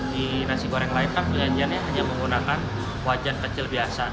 di nasi goreng lain kan penyajiannya hanya menggunakan wajan kecil biasa